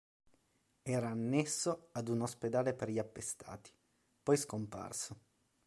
Era annesso ad un ospedale per gli appestati, poi scomparso.